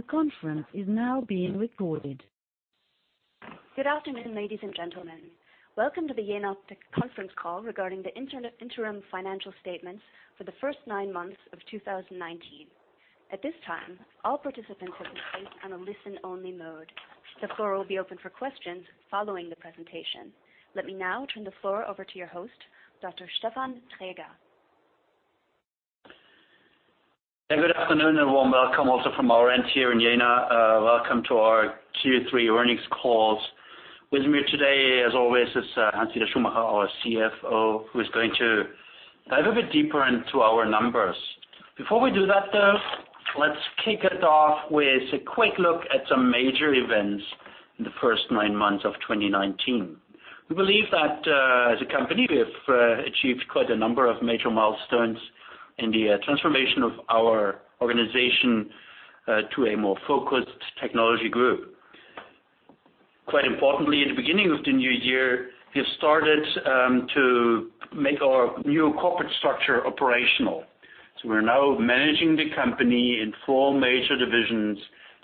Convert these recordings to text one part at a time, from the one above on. The conference is now being recorded. Good afternoon, ladies and gentlemen. Welcome to the Jenoptik conference call regarding the interim financial statements for the first nine months of 2019. At this time, all participants are placed on a listen-only mode. The floor will be open for questions following the presentation. Let me now turn the floor over to your host, Dr. Stefan Traeger. Hey, good afternoon, and a warm welcome also from our end here in Jena. Welcome to our Q3 earnings calls. With me today, as always, is Hans-Dieter Schumacher, our CFO, who is going to dive a bit deeper into our numbers. Before we do that, though, let's kick it off with a quick look at some major events in the first nine months of 2019. We believe that as a company, we have achieved quite a number of major milestones in the transformation of our organization to a more focused technology group. Quite importantly, in the beginning of the new year, we have started to make our new corporate structure operational. We're now managing the company in four major divisions.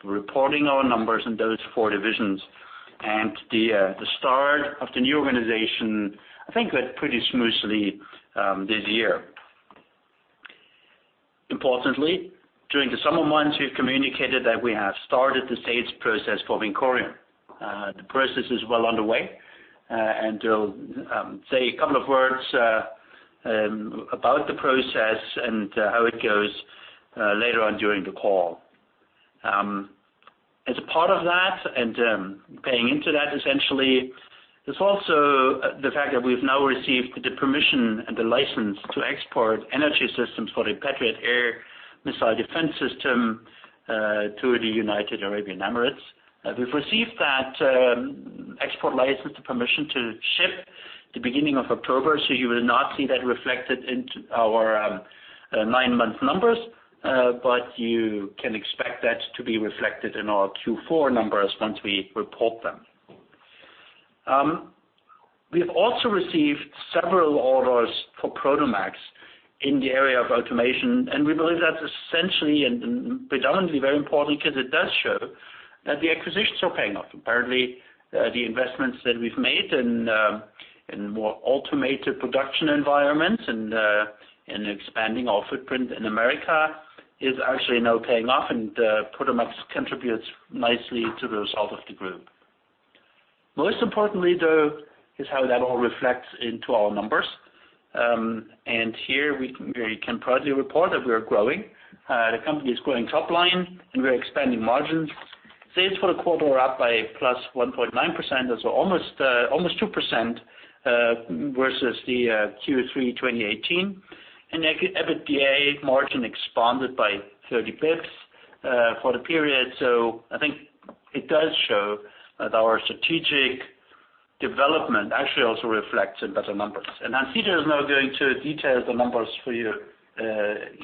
We're reporting our numbers in those four divisions. The start of the new organization, I think went pretty smoothly this year. Importantly, during the summer months, we've communicated that we have started the sales process for Vincorion. The process is well underway, and I'll say a couple of words about the process and how it goes later on during the call. As a part of that and paying into that, essentially, there's also the fact that we've now received the permission and the license to export energy systems for the Patriot Air Defense Missile System to the United Arab Emirates. We've received that export license permission to ship the beginning of October, so you will not see that reflected into our nine-month numbers, but you can expect that to be reflected in our Q4 numbers once we report them. We have also received several orders for Prodomax in the area of automation, and we believe that's essentially and predominantly very important because it does show that the acquisitions are paying off. Apparently, the investments that we've made in more automated production environments and in expanding our footprint in America is actually now paying off, and Prodomax contributes nicely to the result of the group. Most importantly, though, is how that all reflects into our numbers. Here we can proudly report that we are growing. The company is growing top line, and we are expanding margins. Sales for the quarter are up by +1.9%, so almost 2% versus the Q3 2018. EBITDA margin expanded by 30 basis points for the period. I think it does show that our strategic development actually also reflects in better numbers. Hans-Dieter is now going to detail the numbers for you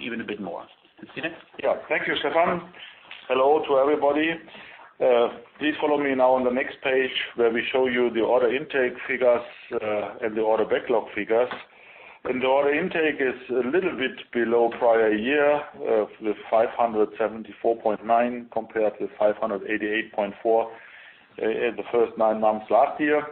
even a bit more. Hans-Dieter? Yeah. Thank you, Stefan. Hello to everybody. Please follow me now on the next page, where we show you the order intake figures and the order backlog figures. The order intake is a little bit below prior year with 574.9 compared to 588.4 in the first nine months last year.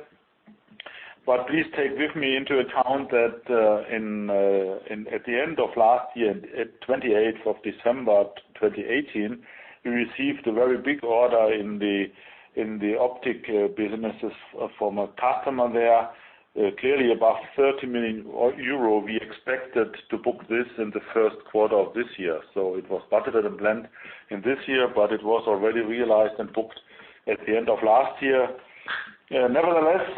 Please take with me into account that at the end of last year, at 28th of December 2018, we received a very big order in the optic businesses from a customer there, clearly above 30 million euro. We expected to book this in the first quarter of this year. It was budgeted and planned in this year, but it was already realized and booked at the end of last year. Nevertheless,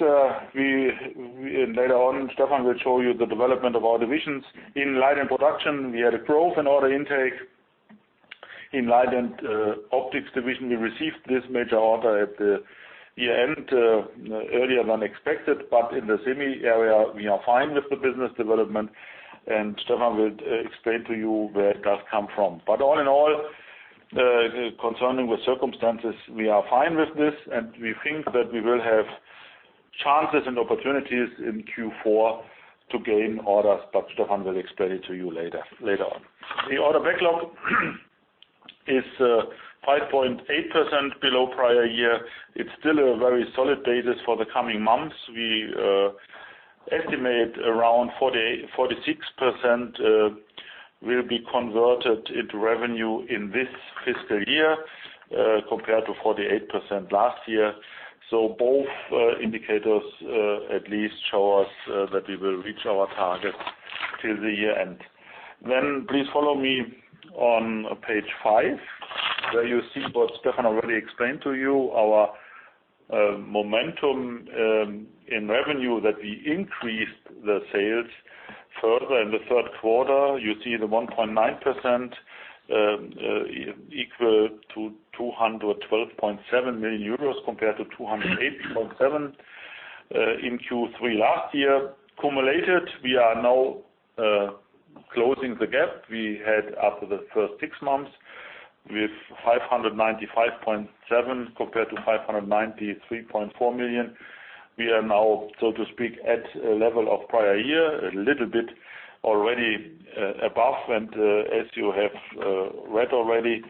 later on, Stefan will show you the development of our divisions. In Light & Production, we had a growth in order intake. In Light & Optics division, we received this major order at the year-end, earlier than expected. In the semi area, we are fine with the business development, and Stefan will explain to you where it does come from. All in all, concerning with circumstances, we are fine with this, and we think that we will have chances and opportunities in Q4 to gain orders. Stefan will explain it to you later on. The order backlog is 5.8% below prior year. It's still a very solid basis for the coming months. We estimate around 46% will be converted into revenue in this fiscal year, compared to 48% last year. Both indicators at least show us that we will reach our target till the year-end. Please follow me on page five, where you see what Stefan already explained to you, our momentum in revenue, that we increased the sales further in the third quarter. You see the 1.9% equal to 212.7 million euros compared to 208.7 million in Q3 last year. Cumulated, we are now closing the gap we had after the first six months with 595.7 million compared to 593.4 million. We are now, so to speak, at a level of prior year, a little bit already above. As you have read already,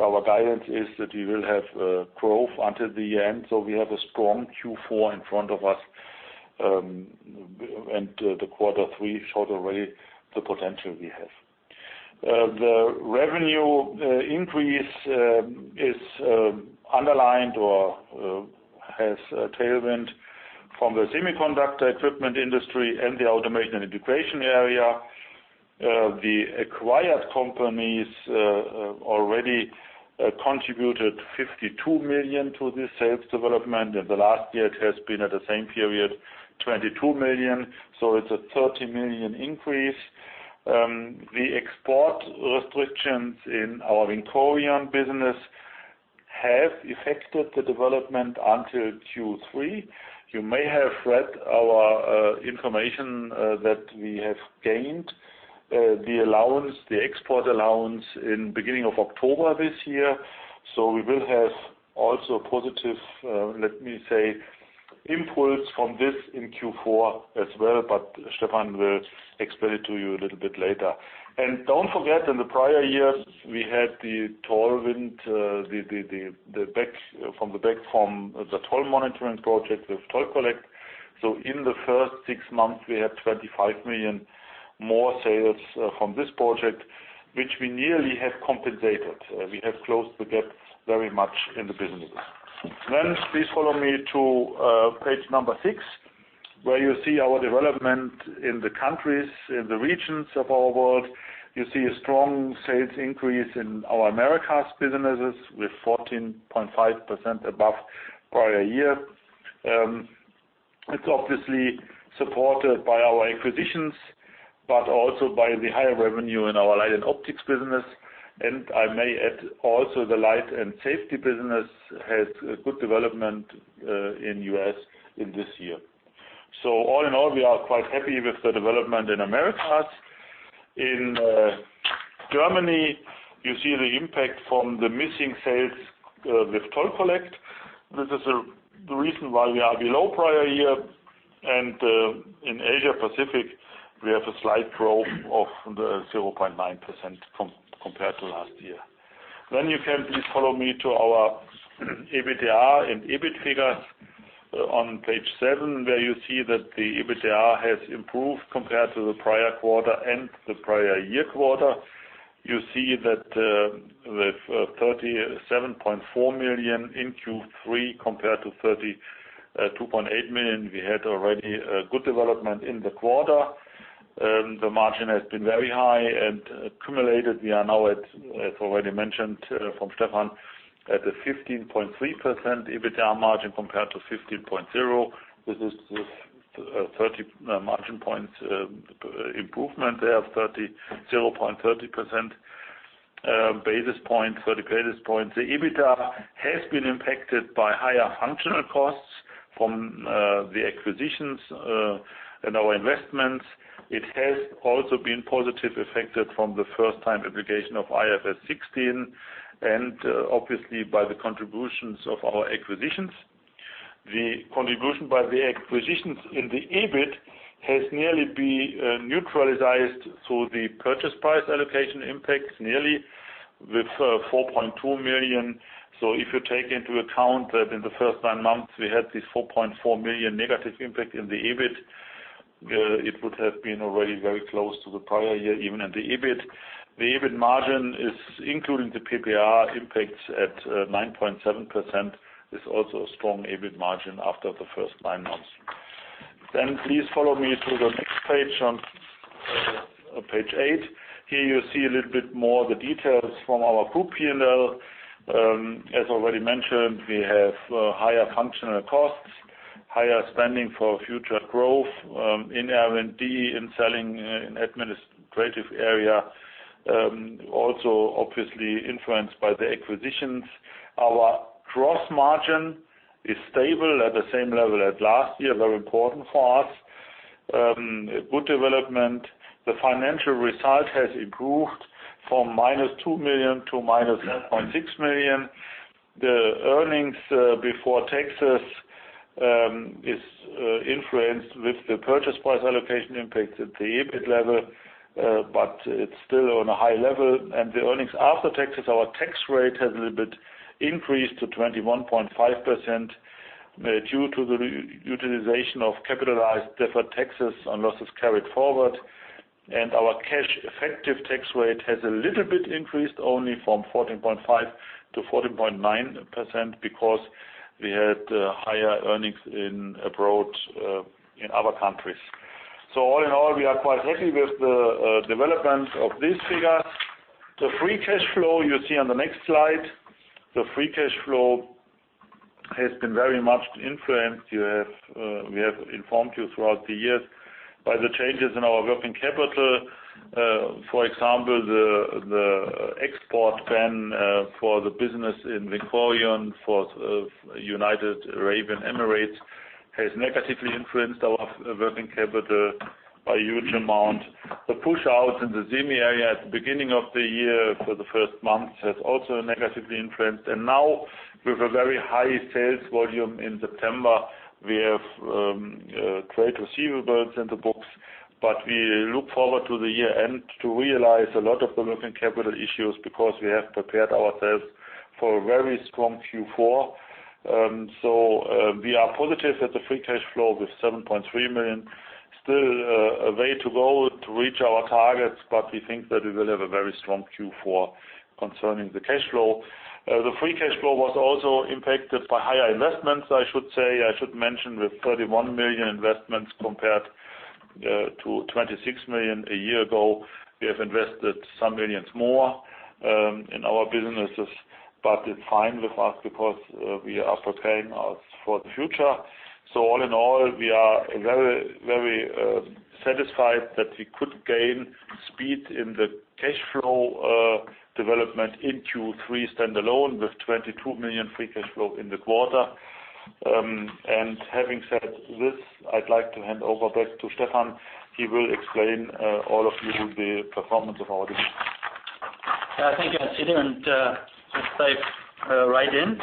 our guidance is that we will have growth until the end. We have a strong Q4 in front of us. The quarter three showed already the potential we have. The revenue increase is underlined or has a tailwind from the semiconductor equipment industry and the automation and integration area. The acquired companies already contributed 52 million to the sales development. In the last year, it has been at the same period, 22 million, so it's a 30 million increase. The export restrictions in our Vincorion business have affected the development until Q3. You may have read our information that we have gained the export allowance in beginning of October this year, so we will have also positive, let me say, inputs from this in Q4 as well. Stefan will explain it to you a little bit later. Don't forget, in the prior years, we had the tailwind from the back from the Toll Collect monitoring project with Toll Collect. In the first six months, we had 25 million more sales from this project, which we nearly have compensated. We have closed the gap very much in the business. Please follow me to page number six, where you see our development in the countries, in the regions of our world. You see a strong sales increase in our Americas businesses with 14.5% above prior year. It's obviously supported by our acquisitions, but also by the higher revenue in our Light & Optics business. I may add also the Light & Safety business had a good development in U.S. in this year. All in all, we are quite happy with the development in Americas. In Germany, you see the impact from the missing sales with Toll Collect. This is the reason why we are below prior year. In Asia Pacific, we have a slight growth of the 0.9% compared to last year. You can please follow me to our EBITDA and EBIT figures on page seven, where you see that the EBITDA has improved compared to the prior quarter and the prior year quarter. You see that with 37.4 million in Q3 compared to 32.8 million. We had already a good development in the quarter. The margin has been very high and accumulated. We are now at, as already mentioned from Stefan, at a 15.3% EBITDA margin compared to 15.0%. This is with 30 margin points improvement there of 30.30% basis points. The EBITDA has been impacted by higher functional costs from the acquisitions and our investments. It has also been positive affected from the first time application of IFRS 16 and obviously by the contributions of our acquisitions. The contribution by the acquisitions in the EBIT has nearly been neutralized through the purchase price allocation impact nearly with 4.2 million. If you take into account that in the first nine months, we had this 4.4 million negative impact in the EBIT, it would have been already very close to the prior year, even in the EBIT. The EBIT margin is including the PPA impact at 9.7%, is also a strong EBIT margin after the first nine months. Please follow me to the next page, on page eight. Here you see a little bit more the details from our group P&L. As already mentioned, we have higher functional costs, higher spending for future growth in R&D, in selling and administrative area. Also obviously influenced by the acquisitions. Our gross margin is stable at the same level as last year. Very important for us. Good development. The financial result has improved from -2 million to -1.6 million. The earnings before taxes is influenced with the purchase price allocation impact at the EBIT level, but it is still on a high level. The earnings after taxes, our tax rate has a little bit increased to 21.5% due to the utilization of capitalized deferred taxes on losses carried forward. Our cash effective tax rate has a little bit increased only from 14.5% to 14.9% because we had higher earnings in abroad in other countries. All in all, we are quite happy with the development of these figures. The free cash flow you see on the next slide. The free cash flow has been very much influenced. We have informed you throughout the years by the changes in our working capital. For example, the export ban for the business in Vincorion for United Arab Emirates has negatively influenced our working capital by a huge amount. The push-out in the EMEA at the beginning of the year for the first month has also negatively influenced. Now with a very high sales volume in September, we have trade receivables in the books, but we look forward to the year-end to realize a lot of the working capital issues because we have prepared ourselves for a very strong Q4. We are positive that the free cash flow with 7.3 million, still a way to go to reach our targets, but we think that we will have a very strong Q4 concerning the cash flow. The free cash flow was also impacted by higher investments, I should say. I should mention with 31 million investments compared to 26 million a year ago. We have invested some millions more in our businesses, but it's fine with us because we are preparing us for the future. All in all, we are very satisfied that we could gain speed in the cash flow development in Q3 standalone with 22 million free cash flow in the quarter. Having said this, I'd like to hand over back to Stefan. He will explain all of you the performance of our division. Thank you, To dive right in,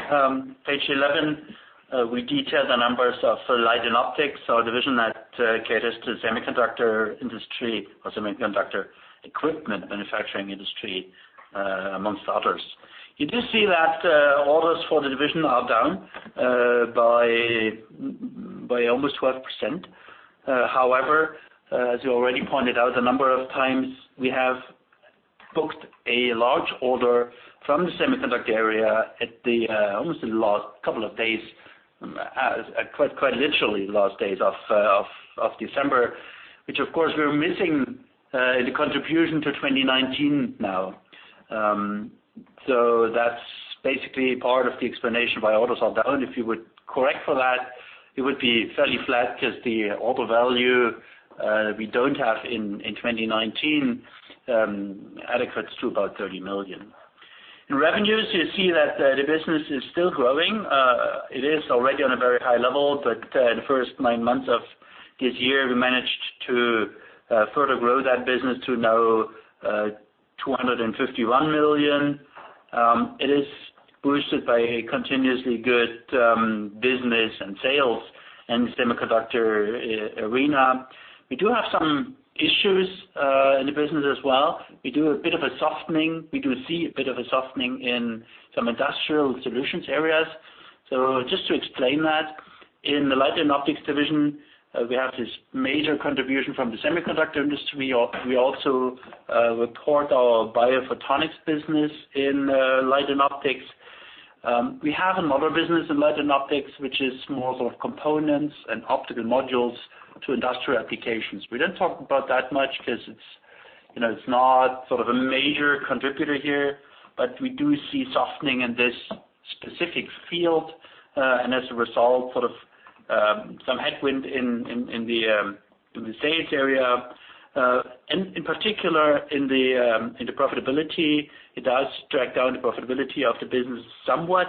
page 11, we detail the numbers of Light & Optics, our division that caters to semiconductor industry or semiconductor equipment manufacturing industry amongst others. You do see that orders for the division are down by almost 12%. However, as you already pointed out a number of times, we have booked a large order from the semiconductor area at almost in the last couple of days, quite literally last days of December, which, of course, we're missing the contribution to 2019 now. That's basically part of the explanation why orders are down. If you would correct for that, it would be fairly flat because the order value we don't have in 2019 equates to about 30 million. In revenues, you see that the business is still growing. It is already on a very high level. The first nine months of this year, we managed to further grow that business to now 251 million. It is boosted by continuously good business and sales in the semiconductor arena. We do have some issues in the business as well. We do a bit of a softening. We do see a bit of a softening in some industrial solutions areas. Just to explain that, in the Light & Optics division, we have this major contribution from the semiconductor industry. We also report our biophotonics business in Light & Optics. We have another business in Light & Optics, which is more sort of components and optical modules to industrial applications. We don't talk about that much because it's not sort of a major contributor here. We do see softening in this specific field. As a result, sort of some headwind in the sales area. In particular, in the profitability, it does drag down the profitability of the business somewhat.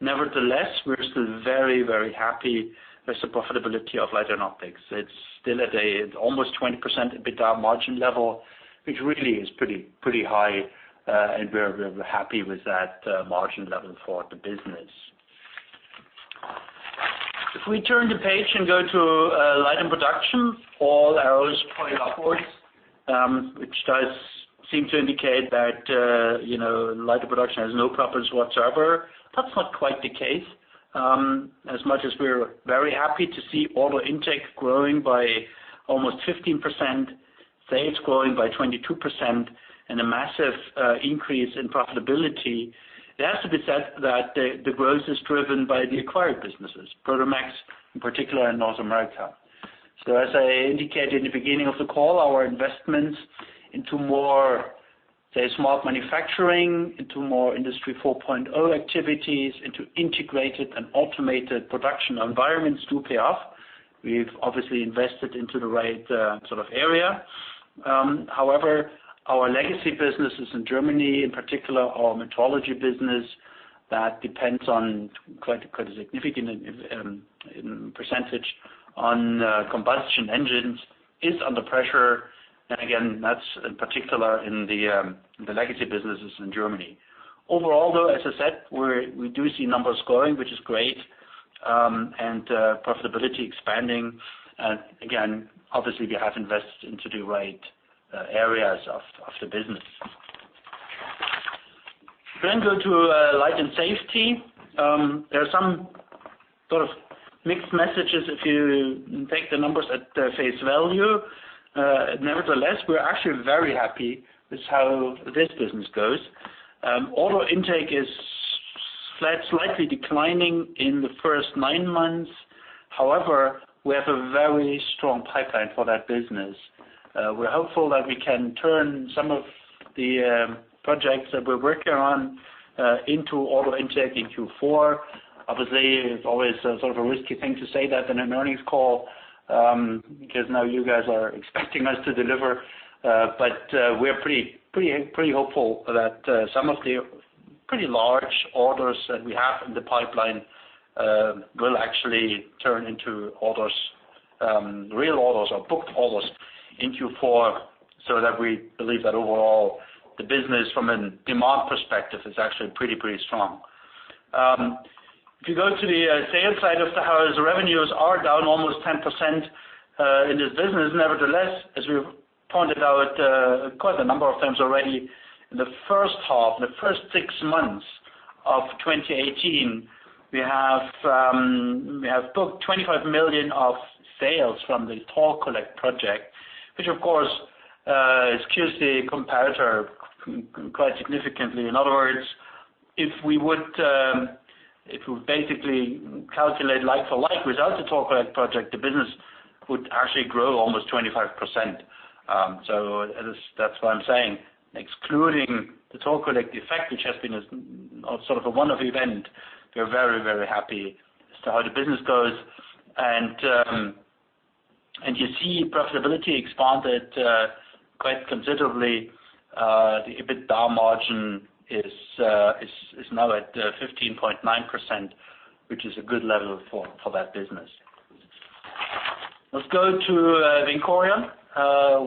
Nevertheless, we're still very, very happy with the profitability of Light & Optics. It's still at almost 20% EBITDA margin level, which really is pretty high. We're happy with that margin level for the business. If we turn the page and go to Light & Production, all arrows point upwards, which does seem to indicate that Light & Production has no problems whatsoever. That's not quite the case. As much as we're very happy to see order intake growing by almost 15%, sales growing by 22%, and a massive increase in profitability, it has to be said that the growth is driven by the acquired businesses, Prodomax in particular in North America. As I indicated in the beginning of the call, our investments into more, say, smart manufacturing, into more Industry 4.0 activities, into integrated and automated production environments do pay off. We've obviously invested into the right sort of area. However, our legacy businesses in Germany, in particular our metrology business, that depends on quite a significant percentage on combustion engines, is under pressure. Again, that's in particular in the legacy businesses in Germany. Overall, though, as I said, we do see numbers growing, which is great, and profitability expanding. Again, obviously, we have invested into the right areas of the business. Go to Light & Safety. There are some sort of mixed messages if you take the numbers at face value. Nevertheless, we're actually very happy with how this business goes. Order intake is slightly declining in the first nine months. We have a very strong pipeline for that business. We're hopeful that we can turn some of the projects that we're working on into order intake in Q4. It's always a sort of a risky thing to say that in an earnings call, because now you guys are expecting us to deliver. We're pretty hopeful that some of the pretty large orders that we have in the pipeline will actually turn into real orders or booked orders in Q4, so that we believe that overall, the business from a demand perspective is actually pretty strong. If you go to the sales side of the house, revenues are down almost 10% in this business. Nevertheless, as we've pointed out quite a number of times already, in the first half, in the first six months of 2018, we have booked 25 million of sales from the Toll Collect project, which of course, skews the comparator quite significantly. In other words, if we basically calculate like for like without the Toll Collect project, the business would actually grow almost 25%. That's why I'm saying, excluding the Toll Collect effect, which has been a sort of a one-off event, we're very happy as to how the business goes. You see profitability expanded quite considerably. The EBITDA margin is now at 15.9%, which is a good level for that business. Let's go to Vincorion,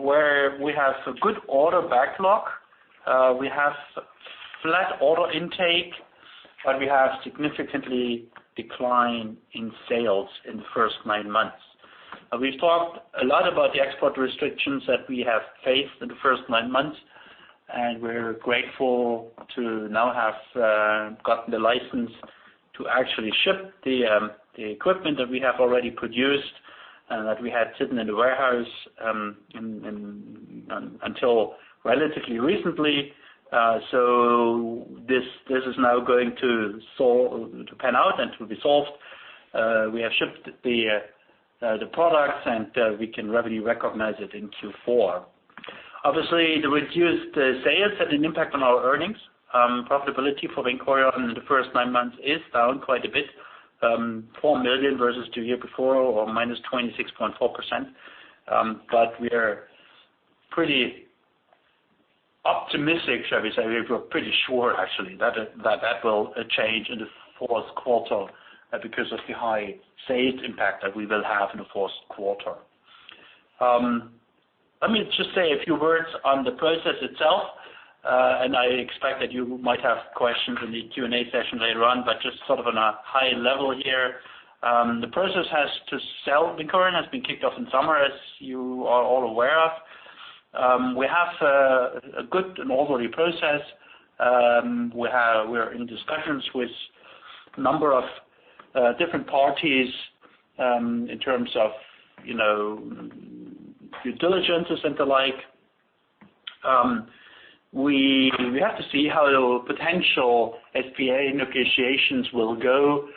where we have a good order backlog. We have flat order intake, but we have significantly decline in sales in the first nine months. We've talked a lot about the export restrictions that we have faced in the first nine months. We're grateful to now have gotten the license to actually ship the equipment that we have already produced and that we had sitting in the warehouse until relatively recently. This is now going to pan out and to be solved. We have shipped the products. We can revenue recognize it in Q4. Obviously, the reduced sales had an impact on our earnings. Profitability for Vincorion in the first nine months is down quite a bit, 4 million versus the year before or -26.4%. We are pretty optimistic, shall we say. We feel pretty sure actually that will change in the fourth quarter because of the high sales impact that we will have in the fourth quarter. Let me just say a few words on the process itself. I expect that you might have questions in the Q&A session later on, but just sort of on a high level here. The process has to sell Vincorion, has been kicked off in summer, as you are all aware of. We have a good and orderly process. We are in discussions with a number of different parties in terms of due diligence and the like. We have to see how the potential SPA negotiations will go,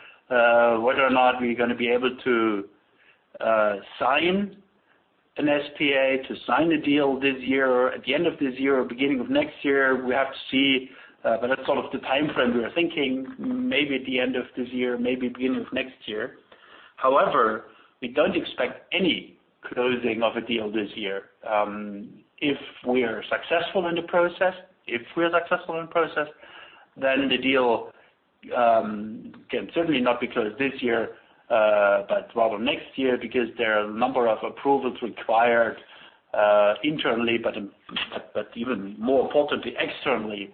whether or not we are going to be able to sign an SPA, to sign a deal this year or at the end of this year or beginning of next year, we have to see. That's sort of the timeframe we are thinking, maybe at the end of this year, maybe beginning of next year. However, we don't expect any closing of a deal this year. If we are successful in the process, then the deal can certainly not be closed this year but rather next year because there are a number of approvals required internally, but even more importantly, externally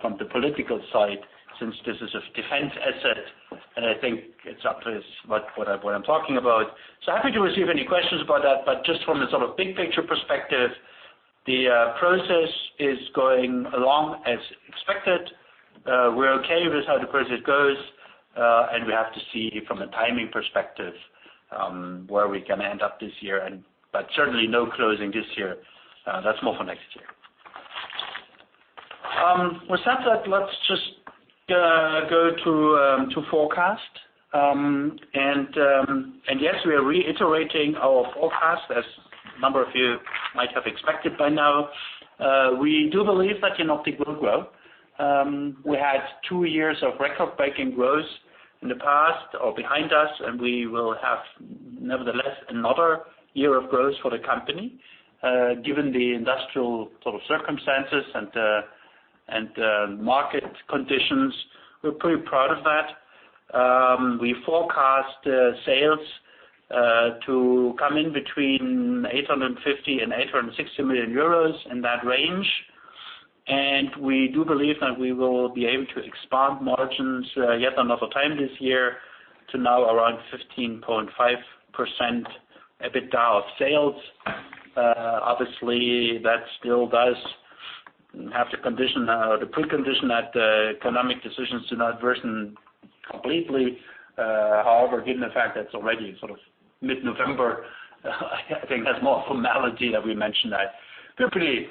from the political side, since this is a defense asset, and I think it's up what I'm talking about. Happy to receive any questions about that, but just from a sort of big-picture perspective, the process is going along as expected. We're okay with how the process goes. We have to see from a timing perspective where we can end up this year, but certainly no closing this year. That's more for next year. With that, let's just go to forecast. Yes, we are reiterating our forecast as a number of you might have expected by now. We do believe that Jenoptik will grow. We had two years of record-breaking growth in the past or behind us. We will have, nevertheless, another year of growth for the company. Given the industrial sort of circumstances and market conditions, we're pretty proud of that. We forecast sales to come in between 850 million-860 million euros, in that range. We do believe that we will be able to expand margins yet another time this year to now around 15.5% EBITDA of sales. Obviously, that still does have the precondition that economic decisions do not worsen completely. Given the fact that it's already sort of mid-November, I think that's more a formality that we mention that. We're pretty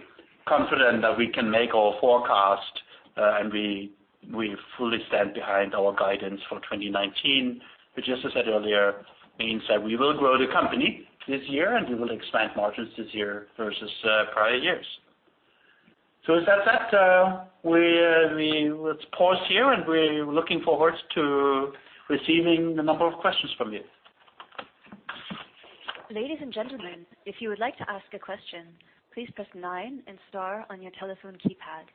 confident that we can make our forecast, and we fully stand behind our guidance for 2019, which, as I said earlier, means that we will grow the company this year and we will expand margins this year versus prior years. With that said, let's pause here and we're looking forward to receiving a number of questions from you. Ladies and gentlemen, if you would like to ask a question, please press nine and star on your telephone keypad.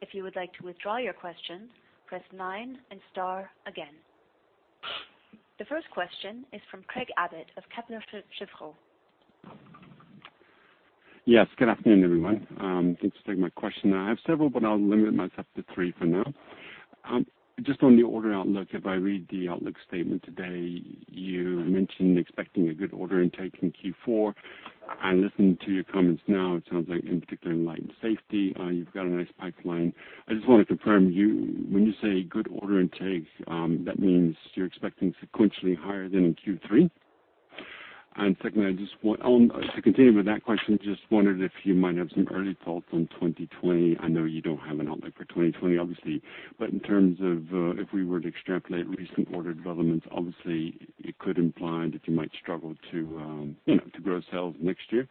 If you would like to withdraw your question, press nine and star again. The first question is from Craig Abbott of Kepler Cheuvreux. Yes. Good afternoon, everyone. Thanks for taking my question. I have several, but I'll limit myself to three for now. Just on the order outlook, if I read the outlook statement today, you mentioned expecting a good order intake in Q4. Listening to your comments now, it sounds like in particular in Light & Safety, you've got a nice pipeline. I just want to confirm, when you say good order intake, that means you're expecting sequentially higher than in Q3? To continue with that question, just wondered if you might have some early thoughts on 2020. I know you don't have an outlook for 2020, obviously, but in terms of if we were to extrapolate recent order developments, obviously, it could imply that you might struggle to grow sales next year.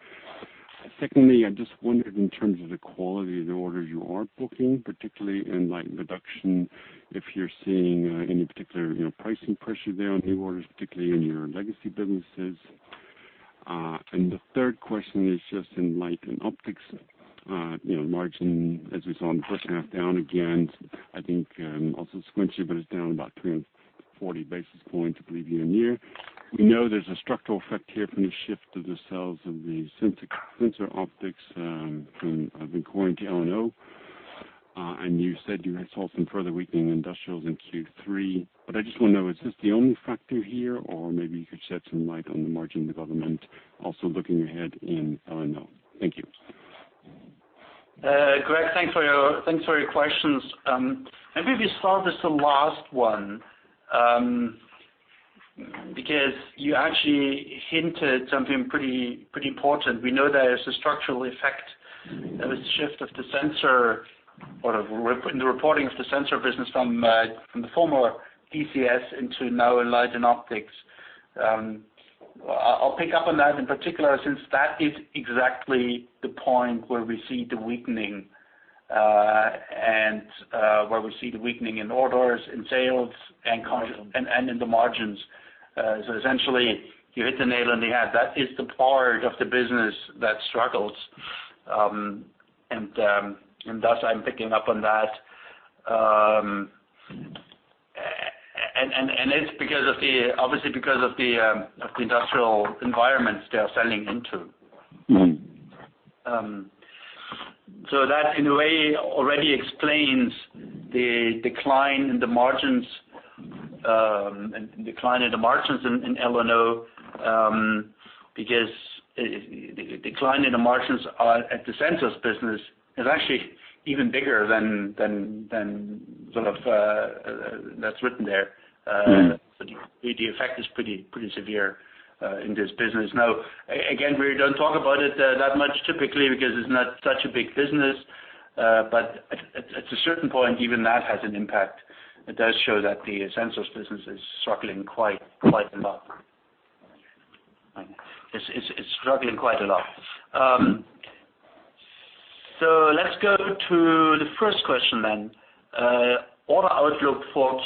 Secondly, I just wondered in terms of the quality of the orders you are booking, particularly in Light & Production, if you're seeing any particular pricing pressure there on new orders, particularly in your legacy businesses. The third question is just in Light & Optics, margin, as we saw, in the first half down again, I think also sequentially, but it's down about 340 basis points, I believe, year-on-year. We know there's a structural effect here from the shift of the sales of the sensor optics according to L&O. You said you had saw some further weakening in industrials in Q3. I just want to know, is this the only factor here, or maybe you could shed some light on the margin development, also looking ahead in L&O. Thank you. Craig, thanks for your questions. Maybe we start with the last one, because you actually hinted something pretty important. We know there is a structural effect of a shift of the sensor or in the reporting of the sensor business from the former DCS into now in Light & Optics. I'll pick up on that in particular, since that is exactly the point where we see the weakening and where we see the weakening in orders, in sales and in the margins. Essentially, you hit the nail on the head. That is the part of the business that struggles. Thus, I'm picking up on that. It's obviously because of the industrial environments they are selling into. That, in a way, already explains the decline in the margins in L&O, because decline in the margins at the Sensors business is actually even bigger than that is written there. The effect is pretty severe in this business. again, we don't talk about it that much typically because it's not such a big business, but at a certain point, even that has an impact. It does show that the Sensors business is struggling quite a lot. It's struggling quite a lot. let's go to the first question then. Order outlook for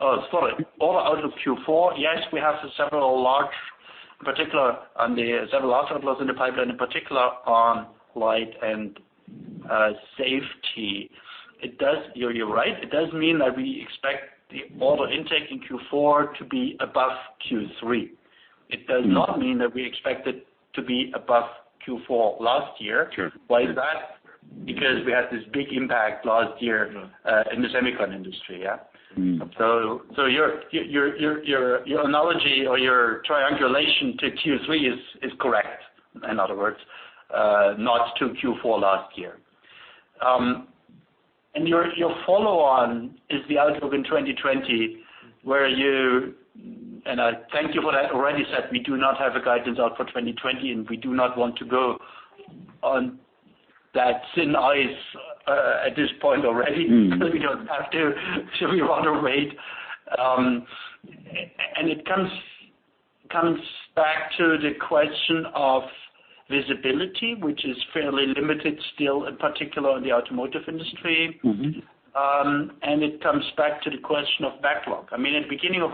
Q4. Yes, we have several order flows in the pipeline, in particular on Light & Safety. You're right, it does mean that we expect the order intake in Q4 to be above Q3. It does not mean that we expect it to be above Q4 last year. Sure. Why is that? We had this big impact last year in the semiconductor industry, yeah? Your analogy or your triangulation to Q3 is correct, in other words, not to Q4 last year. Your follow-on is the outlook in 2020, and I think you already said we do not have a guidance out for 2020, and we do not want to go on that thin ice at this point already because we don't have to. We rather wait. It comes back to the question of visibility, which is fairly limited still, in particular in the automotive industry. It comes back to the question of backlog. At the beginning of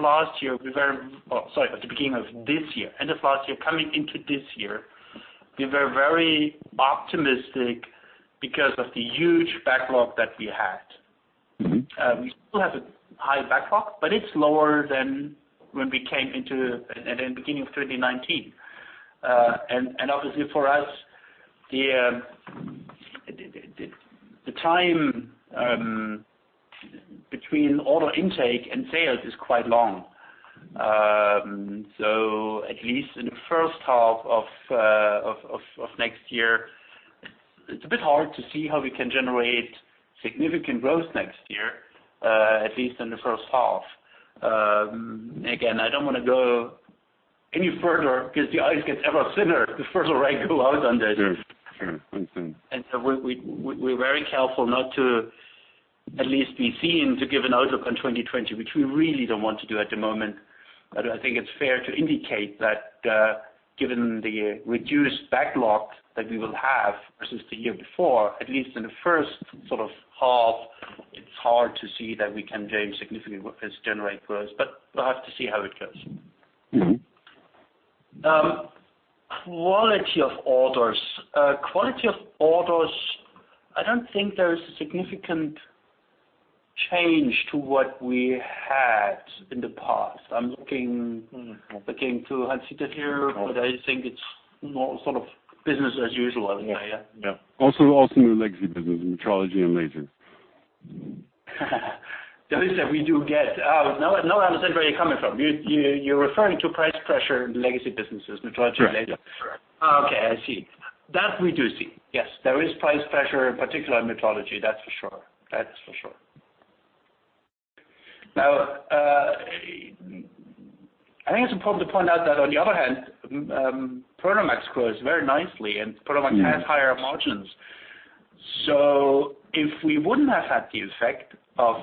this year, end of last year, coming into this year, we were very optimistic because of the huge backlog that we had. We still have a high backlog, it's lower than when we came into at the beginning of 2019. Obviously for us, the time between order intake and sales is quite long. At least in the first half of next year, it's a bit hard to see how we can generate significant growth next year, at least in the first half. Again, I don't want to go any further because the ice gets ever thinner the further I go out on this. Sure. Mm-hmm. We're very careful not to at least be seen to give an outlook on 2020, which we really don't want to do at the moment. I think it's fair to indicate that given the reduced backlog that we will have versus the year before, at least in the first sort of half. It's hard to see that we can change significantly with this generate growth, but we'll have to see how it goes. Quality of orders, I don't think there is a significant change to what we had in the past. I'm looking to Hans-Dieter here, but I think it's more sort of business as usual. Yeah. Yeah, also in your legacy business, metrology and laser. Oh, now I understand where you're coming from. You're referring to price pressure in legacy businesses, metrology and laser. Correct. Okay, I see. That we do see. Yes. There is price pressure in particular in metrology, that's for sure. I think it's important to point out that on the other hand, Prodomax grows very nicely and Prodomax has higher margins. If we wouldn't have had the effect of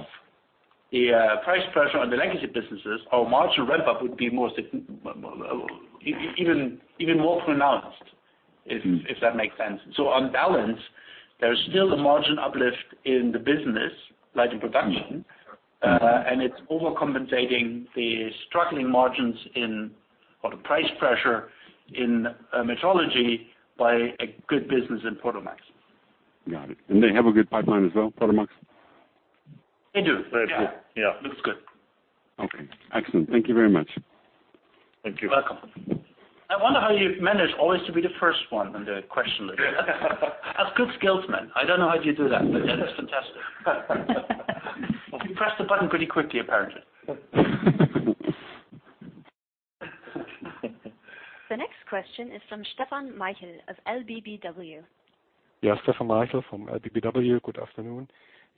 the price pressure on the legacy businesses, our margin ramp-up would be even more pronounced, if that makes sense. On balance, there's still a margin uplift in the business, Light & Production. Yeah. It's overcompensating the struggling margins in, or the price pressure in metrology by a good business in Prodomax. Got it. They have a good pipeline as well, Prodomax? They do. Very good. Yeah. Looks good. Okay, excellent. Thank you very much. Thank you. You're welcome. I wonder how you manage always to be the first one in the question. That's good skills, man. I don't know how you do that, but that is fantastic. You press the button pretty quickly, apparently. The next question is from Stefan Maichl of LBBW. Yeah, Stefan Maichl from LBBW. Good afternoon.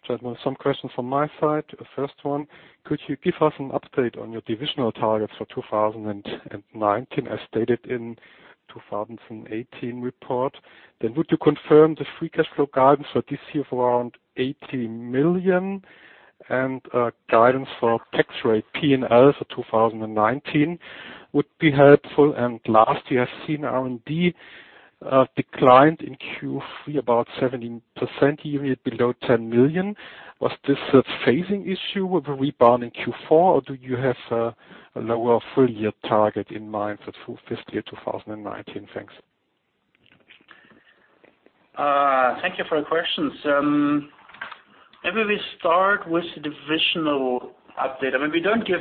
Gentlemen, some questions from my side. The first one, could you give us an update on your divisional targets for 2019, as stated in 2018 report? Would you confirm the free cash flow guidance for this year for around 80 million? Guidance for tax rate P&L for 2019 would be helpful. Last year, I've seen R&D declined in Q3 about 17%, even below 10 million. Was this a phasing issue with a rebound in Q4, or do you have a lower full-year target in mind for full fiscal year 2019? Thanks. Thank you for the questions. Maybe we start with the divisional update. I mean, we don't give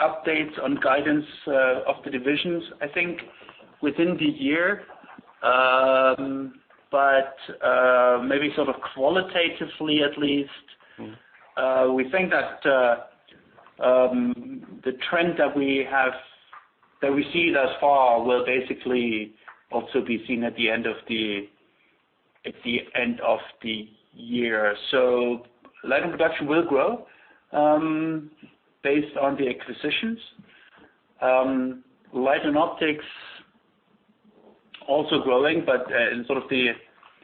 updates on guidance of the divisions, I think, within the year. Maybe sort of qualitatively at least, we think that the trend that we see thus far will basically also be seen at the end of the year. Light & Production will grow based on the acquisitions. Light & Optics also growing, but in sort of the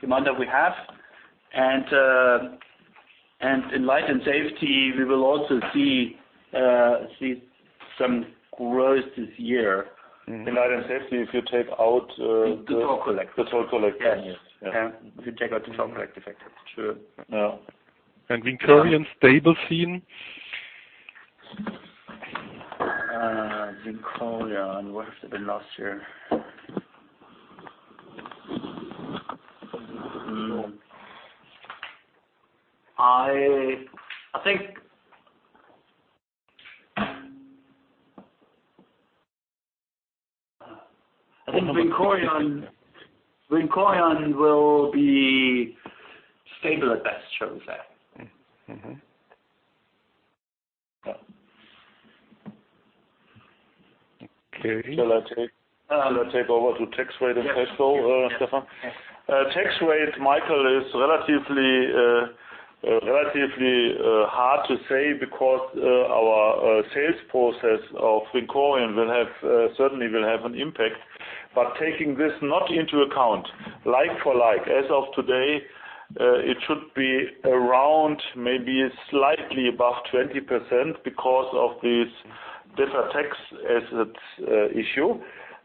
demand that we have. In Light & Safety, we will also see some growth this year In lighting safety, if you take out- The oll collectors. Yes. Yeah. If you take out the Toll Collect factor. Sure. No.. Vincorion, stable seen? Vincorion, where have they been last year? I think Vincorion will be stable at best, shall we say. Okay. Shall I take over to tax rate and cash flow, Stefan? Yes. Tax rate, Maichl, is relatively hard to say because our sales process of Vincorion certainly will have an impact. Taking this not into account, like for like, as of today, it should be around maybe slightly above 20% because of this deferred tax asset issue,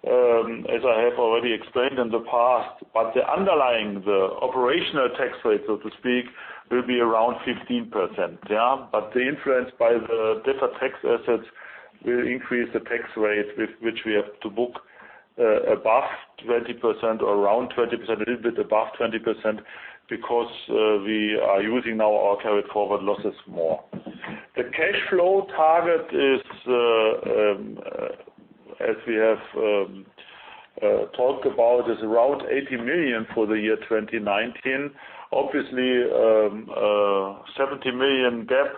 as I have already explained in the past. The underlying, the operational tax rate, so to speak, will be around 15%. Yeah. The influence by the deferred tax assets will increase the tax rate with which we have to book above 20% or around 20%, a little bit above 20%, because we are using now our carried forward losses more. The cash flow target is, as we have talked about, is around 80 million for the year 2019. Obviously, 70 million gap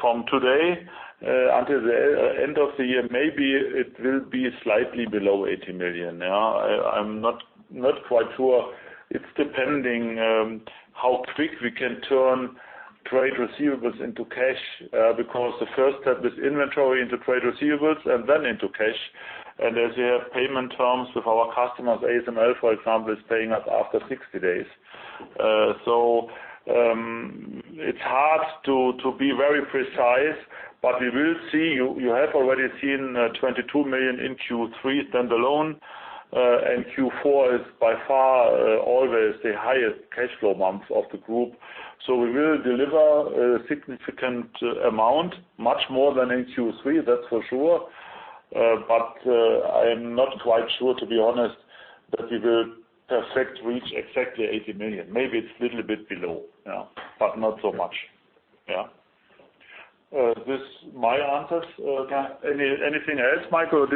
from today until the end of the year. Maybe it will be slightly below 80 million. I'm not quite sure. It's depending how quick we can turn trade receivables into cash, because the first step is inventory into trade receivables and then into cash. As you have payment terms with our customers, ASML, for example, is paying us after 60 days. It's hard to be very precise, but we will see. You have already seen 22 million in Q3 stand alone. Q4 is by far always the highest cash flow month of the group. We will deliver a significant amount, much more than in Q3, that's for sure. I am not quite sure, to be honest, that we will perfect reach exactly 80 million. Maybe it's little bit below. Not so much. Yeah. This my answers. Anything else, Maichl?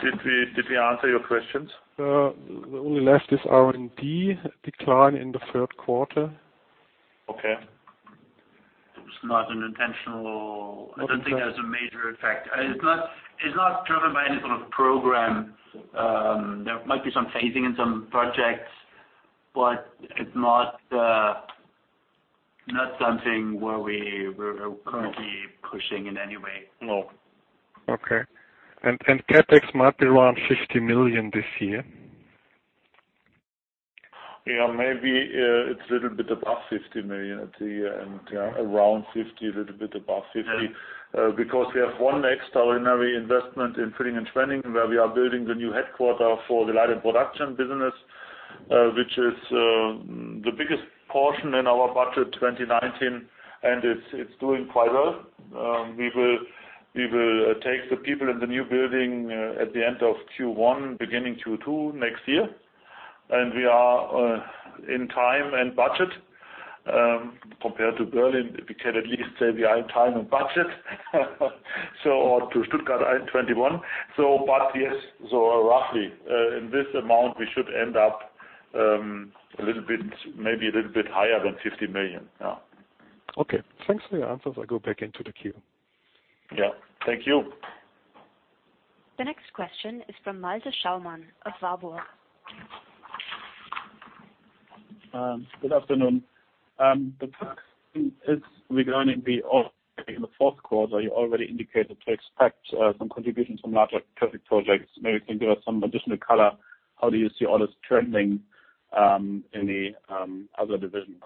Did we answer your questions? Only left is R&D decline in the third quarter. Okay. I don't think it has a major effect. It's not driven by any sort of program. There might be some phasing in some projects, but it's not something where we're currently pushing in any way more. Okay. CapEx might be around 50 million this year? Maybe it's a little bit above 50 million at the end. Around 50, a little bit above 50. Because we have one extraordinary investment in Villingen-Schwenningen, where we are building the new headquarter for the Light & Production business, which is the biggest portion in our budget 2019, and it's doing quite well. We will take the people in the new building at the end of Q1, beginning Q2 next year. We are in time and budget. Compared to Berlin, we can at least say we are in time and budget. Or to Stuttgart 21. But yes, roughly, in this amount, we should end up maybe a little bit higher than 50 million. Okay. Thanks for your answers. I go back into the queue. Yeah. Thank you. The next question is from Malte Schaumann of Warburg. Good afternoon. The first thing is regarding the order in the fourth quarter, you already indicated to expect some contributions from larger traffic projects. Maybe you can give us some additional color. How do you see orders trending in the other divisions?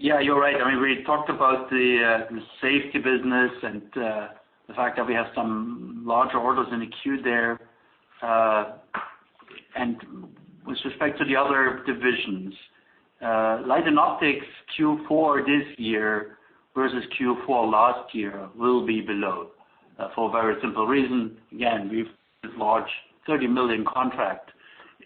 Yeah, you're right. We talked about the safety business and the fact that we have some larger orders in the queue there. With respect to the other divisions, Light & Optics Q4 this year versus Q4 last year will be below for a very simple reason. Again, we've this large 30 million contract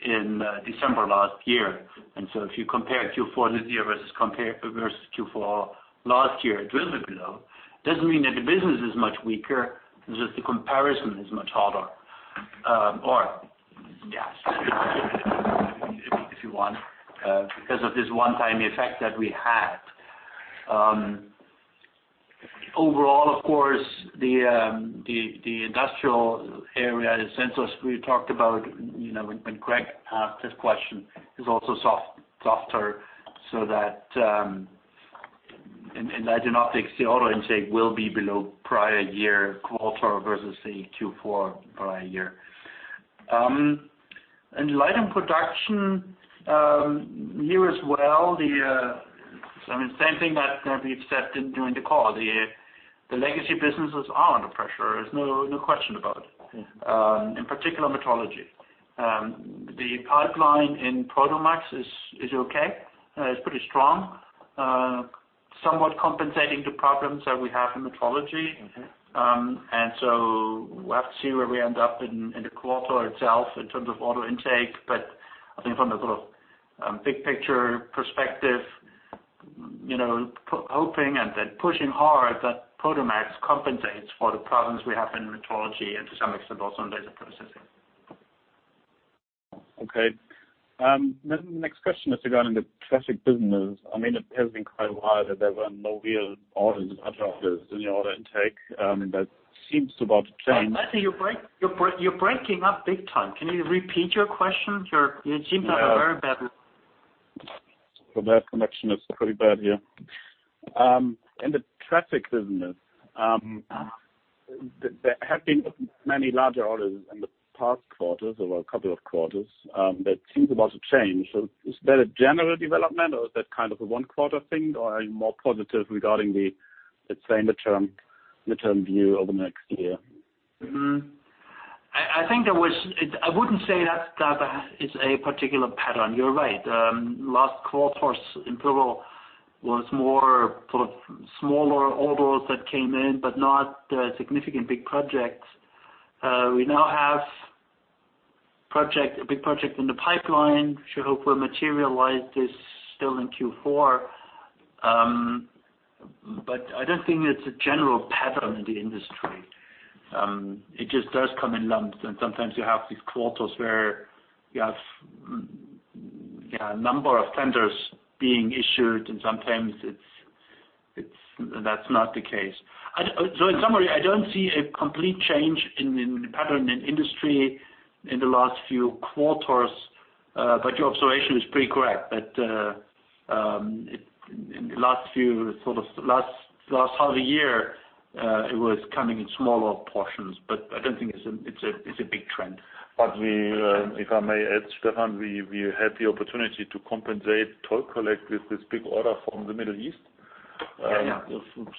in December last year. So if you compare Q4 this year versus Q4 last year, it will be below. Doesn't mean that the business is much weaker, it's just the comparison is much harder. Yeah. If you want. Because of this one-time effect that we had. Overall, of course, the industrial area in Sensors we talked about, when Craig asked this question, is also softer. In Light & Optics, the order intake will be below prior-year quarter versus the Q4 prior year. In Light & Production, here as well, the same thing that we accepted during the call. The legacy businesses are under pressure, there's no question about it. In particular, Metrology. The pipeline in Prodomax is okay. It's pretty strong. Somewhat compensating the problems that we have in Metrology. We'll have to see where we end up in the quarter itself in terms of order intake. I think from the sort of big picture perspective, hoping and then pushing hard that Prodomax compensates for the problems we have in Metrology and to some extent also in Laser Processing. Okay. Next question is regarding the Traffic business. It has been quite a while that there were no real orders, large orders in the order intake. That seems about to change. Malte, you're breaking up big time. Can you repeat your question? The connection is pretty bad here. In the Traffic business- There have been many larger orders in the past quarters, or a couple of quarters. That seems about to change. Is that a general development, or is that kind of a one-quarter thing, or are you more positive regarding the, let's say, midterm view over the next year? I wouldn't say that is a particular pattern. You're right. Last quarter in plural was more sort of smaller orders that came in, but not significant big projects. We now have a big project in the pipeline, which I hope will materialize this still in Q4. I don't think it's a general pattern in the industry. It just does come in lumps, and sometimes you have these quarters where you have a number of tenders being issued, and sometimes that's not the case. In summary, I don't see a complete change in the pattern in industry in the last few quarters. Your observation is pretty correct that in the last half a year It was coming in smaller portions, but I don't think it's a big trend. If I may add, Stefan, we had the opportunity to compensate Toll Collect with this big order from the Middle East. Yeah.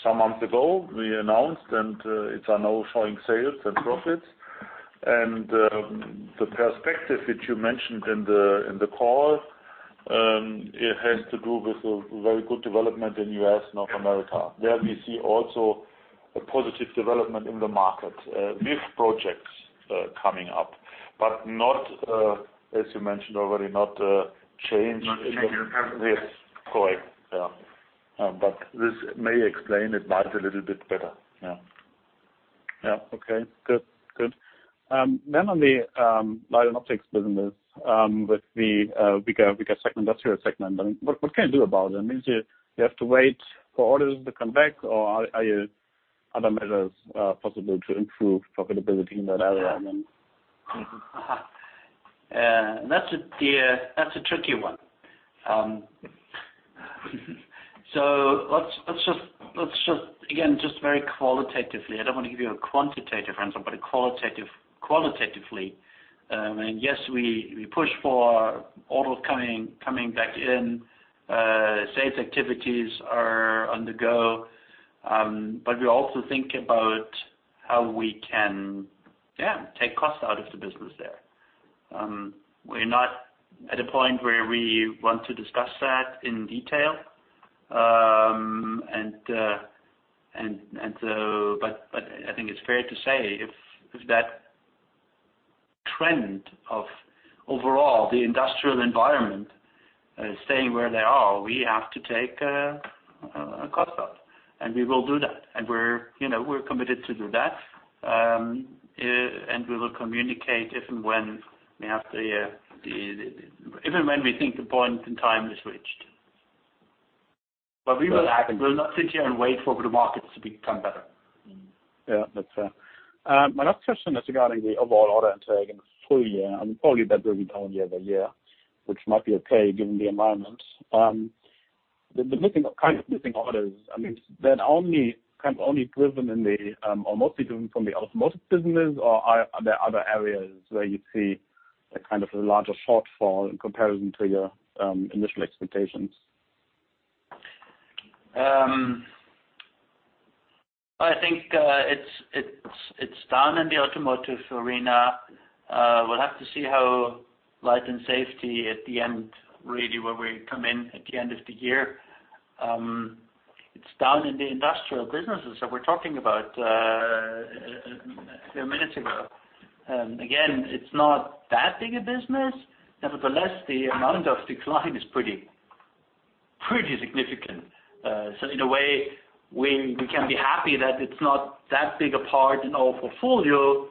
Some months ago, we announced, it's now showing sales and profits. The perspective that you mentioned in the call, it has to do with a very good development in U.S., North America. There we see also a positive development in the market, with projects coming up, but not as you mentioned already. Not a change in pattern. Yes. Correct. Yeah. This may explain it might a little bit better. Yeah. Yeah. Okay. Good. On the Light & Optics business with the bigger industrial segment, what can you do about that? I mean, do you have to wait for orders to come back or are other measures possible to improve profitability in that area? I mean. That's a tricky one. Let's just, again, just very qualitatively, I don't want to give you a quantitative answer, but qualitatively, yes, we push for orders coming back in, sales activities are on the go. We also think about how we can take cost out of the business there. We're not at a point where we want to discuss that in detail. I think it's fair to say if that trend of overall the industrial environment staying where they are, we have to take a cost cut, and we will do that. We're committed to do that. We will communicate if and when we think the point in time is reached. That will happen not sit here and wait for the markets to become better. Yeah. That's fair. My last question is regarding the overall order intake in the full year, I mean, probably that will be down year-over-year, which might be okay given the environment. The missing orders, I mean, they're only driven or mostly driven from the automotive businesses, or are there other areas where you see a larger shortfall in comparison to your initial expectations? I think it's down in the automotive arena. We'll have to see how Light & Safety at the end, really where we come in at the end of the year. It's down in the industrial businesses that we're talking about a few minutes ago. It's not that big a business. The amount of decline is pretty significant. In a way, we can be happy that it's not that big a part in our portfolio.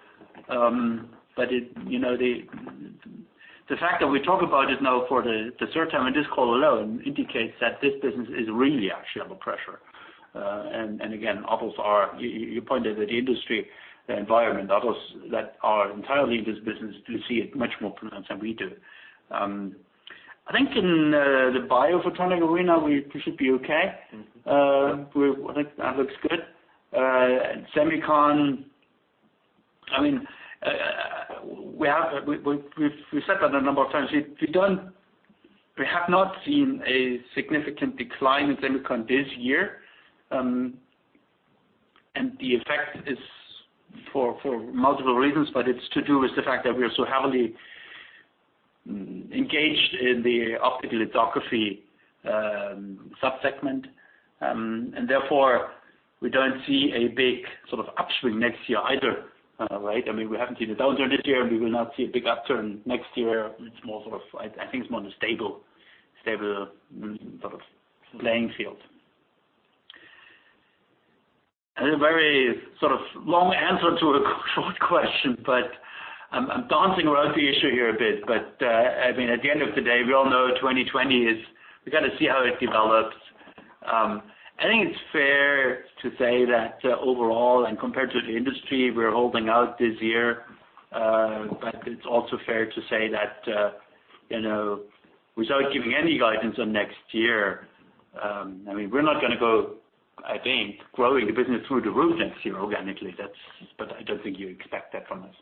The fact that we talk about it now for the third time in this call alone indicates that this business is really actually under pressure. You pointed at the industry, the environment, others that are entirely in this business do see it much more pronounced than we do. I think in the biophotonic arena, we should be okay. That looks good. Semiconductor, I mean, we've said that a number of times. We have not seen a significant decline in semiconductor this year. The effect is for multiple reasons, but it's to do with the fact that we are so heavily engaged in the optical lithography sub-segment. Therefore, we don't see a big sort of upswing next year either. Right? I mean, we haven't seen a downturn this year, and we will not see a big upturn next year. I think it's more on a stable sort of playing field. A very sort of long answer to a short question, but I'm dancing around the issue here a bit. I mean, at the end of the day, we all know 2020 is we got to see how it develops. I think it's fair to say that overall and compared to the industry, we're holding out this year. It's also fair to say that without giving any guidance on next year, I mean, we're not going to go, I think, growing the business through the roof next year organically. I don't think you expect that from us.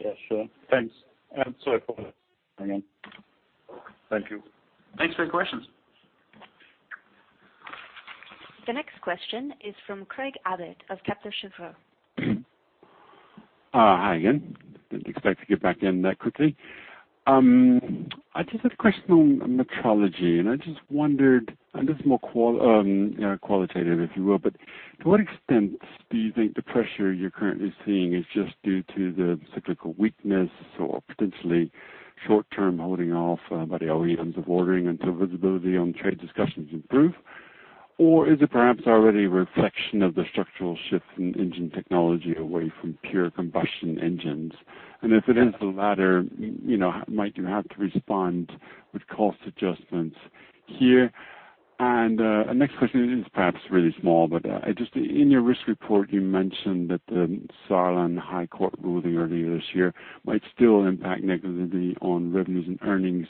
Yeah, sure. Thanks. Sorry for that, again. Thank you. Thanks for your questions. The next question is from Craig Abbott of Kepler Cheuvreux. Hi again. Didn't expect to get back in that quickly. I just have a question on Metrology, and I just wondered, and this is more qualitative, if you will, but to what extent do you think the pressure you're currently seeing is just due to the cyclical weakness or potentially short-term holding off by the OEMs of ordering until visibility on trade discussions improve? Or is it perhaps already a reflection of the structural shift in engine technology away from pure combustion engines? And if it is the latter, might you have to respond with cost adjustments here? Next question is perhaps really small, but just in your risk report, you mentioned that the Saarland High Court ruling earlier this year might still impact negatively on revenues and earnings.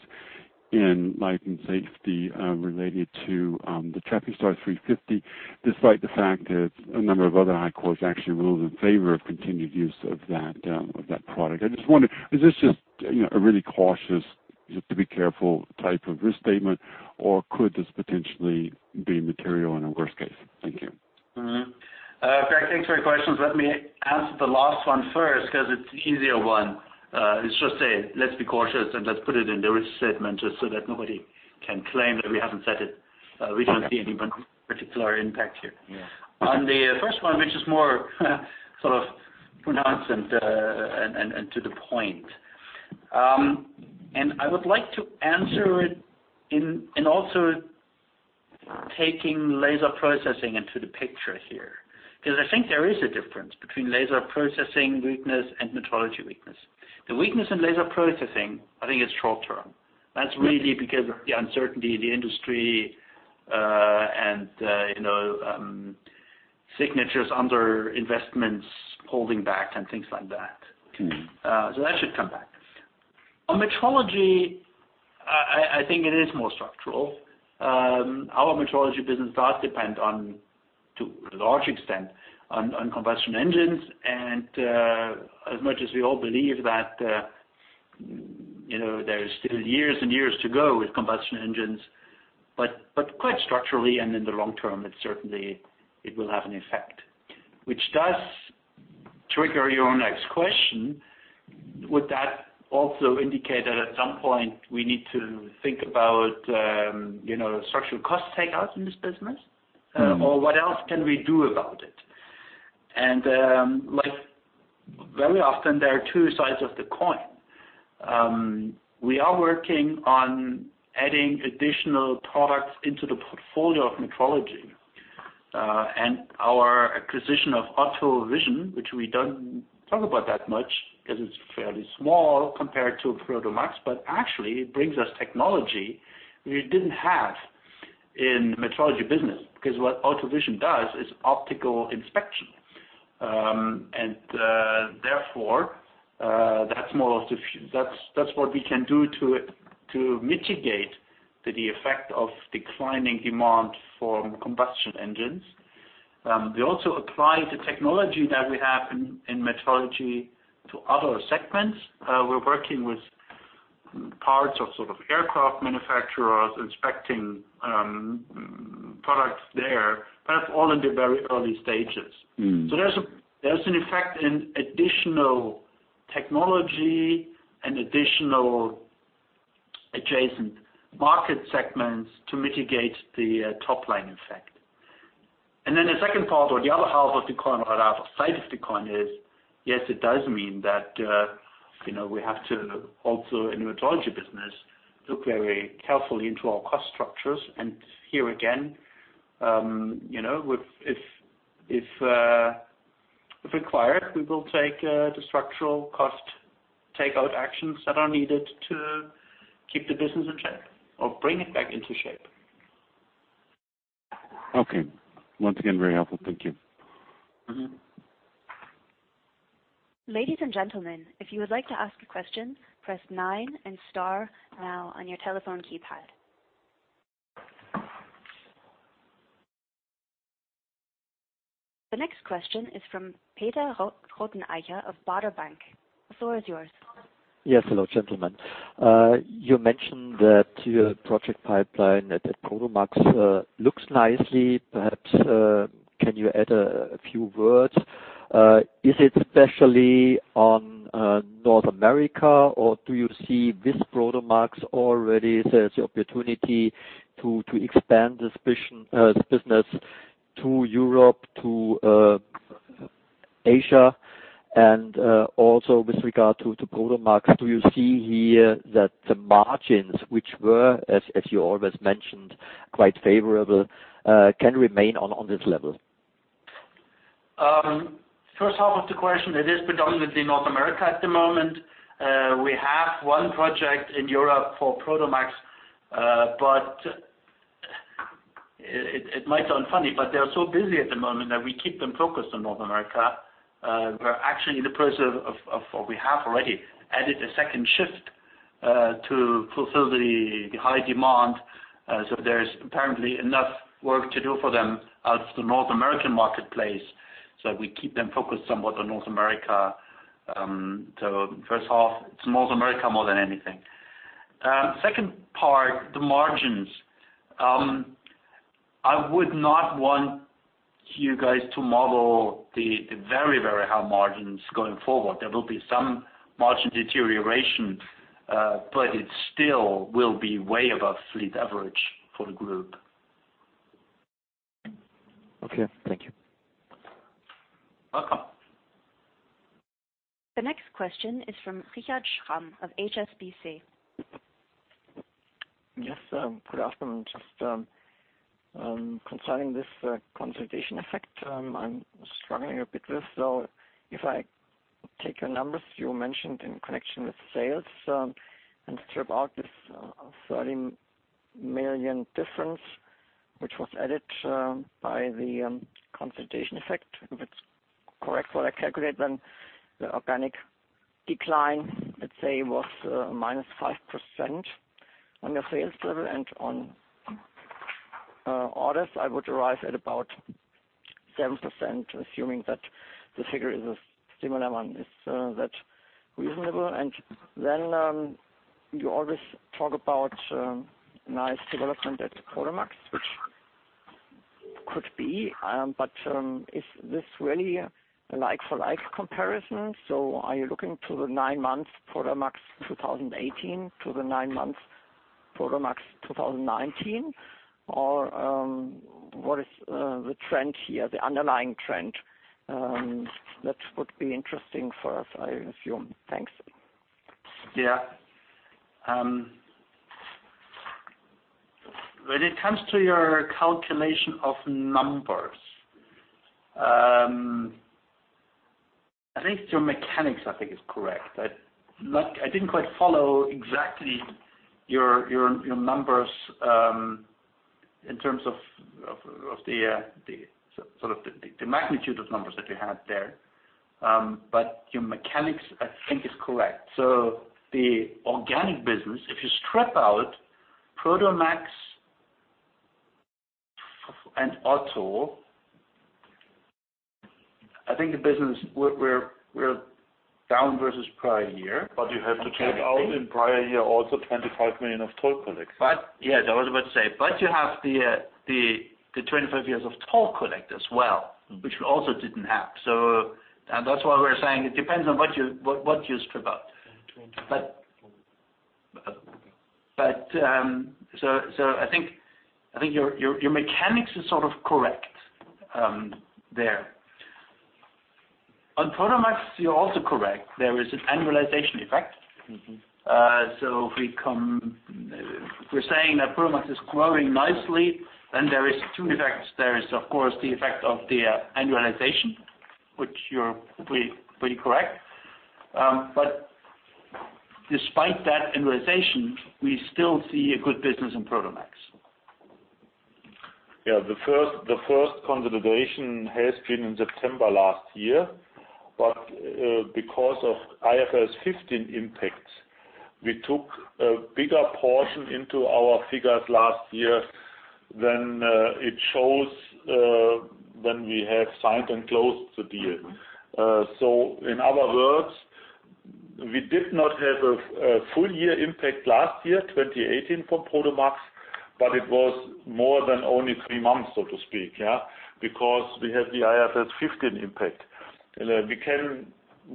In Light & Safety related to the TraffiStar S350, despite the fact that a number of other high courts actually ruled in favor of continued use of that product. I just wonder, is this just a really cautious, just to be careful type of risk statement, or could this potentially be material in a worst case? Thank you. Craig, thanks for your questions. Let me answer the last one first because it's the easier one. It's just saying, let's be cautious and let's put it in the risk statement just so that nobody can claim that we haven't said it. Okay. We don't see any particular impact here. Yeah. On the first one, which is more sort of pronounced and to the point. I would like to answer it in also taking laser processing into the picture here. I think there is a difference between laser processing weakness and metrology weakness. The weakness in laser processing, I think it's short-term. That's really because of the uncertainty in the industry, and significant under investments holding back and things like that. That should come back. On metrology, I think it is more structural. Our metrology business does depend on, to a large extent, on combustion engines. As much as we all believe that there's still years and years to go with combustion engines, but quite structurally and in the long term, it certainly will have an effect. Which does trigger your next question. Would that also indicate that at some point we need to think about structural cost takeouts in this business? What else can we do about it? Very often there are two sides of the coin. We are working on adding additional products into the portfolio of metrology. Our acquisition of OTTO Vision, which we don't talk about that much because it's fairly small compared to Prodomax, but actually it brings us technology we didn't have in metrology business. What OTTO Vision does is optical inspection. Therefore, that's what we can do to mitigate the effect of declining demand for combustion engines. We also apply the technology that we have in metrology to other segments. We're working with parts of sort of aircraft manufacturers inspecting products there. That's all in the very early stages. There's an effect in additional technology and additional adjacent market segments to mitigate the top-line effect. The second part or the other half of the coin or other side of the coin is, yes, it does mean that we have to also, in the metrology business, look very carefully into our cost structures. Here again, if required, we will take the structural cost takeout actions that are needed to keep the business in shape or bring it back into shape. Okay. Once again, very helpful. Thank you. Ladies and gentlemen, if you would like to ask a question, press nine and star now on your telephone keypad. The next question is from Peter Rothenaicher of Baader Bank. The floor is yours. Yes. Hello, gentlemen. You mentioned that your project pipeline at Prodomax looks nicely. Perhaps, can you add a few words? Is it especially on North America or do you see with Prodomax already there's the opportunity to expand this business to Europe, to Asia? Also with regard to Prodomax, do you see here that the margins, which were, as you always mentioned, quite favorable, can remain on this level? First half of the question, it is predominantly North America at the moment. We have one project in Europe for Prodomax. It might sound funny, but they are so busy at the moment that we keep them focused on North America. We're actually in the process of what we have already added a second shift, to fulfill the high demand. There is apparently enough work to do for them out of the North American marketplace, so we keep them focused somewhat on North America. First half, it's North America more than anything. Second part, the margins. I would not want you guys to model the very, very high margins going forward. There will be some margin deterioration, but it still will be way above fleet average for the group. Okay. Thank you. Welcome. The next question is from Richard Schramm of HSBC. Yes, good afternoon. Just concerning this consolidation effect, I'm struggling a bit with. If I take your numbers you mentioned in connection with sales, and strip out this 30 million difference, which was added by the consolidation effect. If it's correct what I calculate, the organic decline, let's say, was -5% on the sales level and on orders, I would arrive at about 7%, assuming that the figure is a similar one. Is that reasonable? You always talk about nice development at Prodomax, which could be, but is this really a like-for-like comparison? Are you looking to the nine months Prodomax 2018 to the nine months Prodomax 2019? What is the trend here, the underlying trend? That would be interesting for us, I assume. Thanks. Yeah. When it comes to your calculation of numbers, I think your mechanics, I think is correct. I didn't quite follow exactly your numbers in terms of the magnitude of numbers that you had there. Your mechanics, I think is correct. The organic business, if you strip out Prodomax and OTTO, I think the business, we're down versus prior year. You have to check out in prior year also 25 million of Toll Collect. Yes, I was about to say. You have the 25 million of Toll Collect as well, which we also didn't have. That's why we're saying it depends on what you strip out. I think your mechanics is sort of correct there. On Prodomax, you're also correct, there is an annualization effect. We're saying that Prodomax is growing nicely, there are two effects. There is, of course, the effect of the annualization, which you're pretty correct. Despite that annualization, we still see a good business in Prodomax. Yeah, the first consolidation has been in September last year. Because of IFRS 15 impacts, we took a bigger portion into our figures last year than it shows when we have signed and closed the deal. In other words, we did not have a full year impact last year, 2018 for Prodomax, but it was more than only three months, so to speak. Yeah. Because we have the IFRS 15 impact. We can